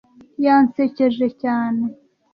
Yansekeje cyane.